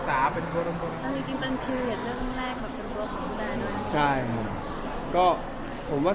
ถ้าเป็นพี่หนูสิ่งแรก